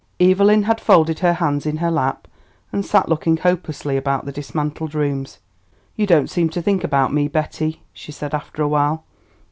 Evelyn had folded her hands in her lap and sat looking hopelessly about the dismantled rooms. "You don't seem to think about me, Betty," she said, after a while.